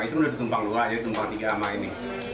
itu sudah ditumpang dua jadi ditumpang tiga nama ini